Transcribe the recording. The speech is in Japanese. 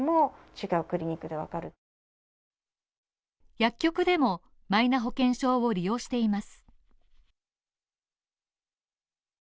薬局でもマイナ保険証を利用しています。